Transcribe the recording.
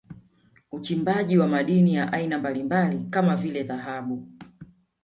Uchimbaji wa madini ya aina mbalimbali kama vile Dhahabu